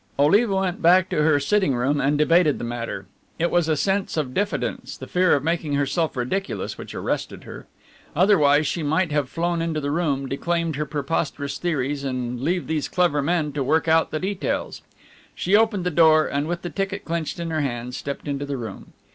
Oliva went back to her sitting room and debated the matter. It was a sense of diffidence, the fear of making herself ridiculous, which arrested her. Otherwise she might have flown into the room, declaimed her preposterous theories and leave these clever men to work out the details. She opened the door and with the ticket clenched in her hand stepped into the room.